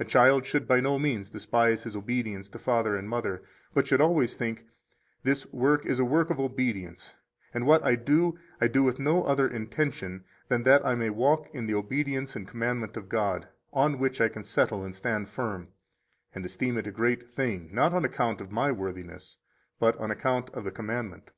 A child should by no means despise his obedience to father and mother, but should always think: This work is a work of obedience, and what I do I do with no other intention than that I may walk in the obedience and commandment of God, on which I can settle and stand firm, and esteem it a great thing, not on account of my worthiness, but on account of the commandment.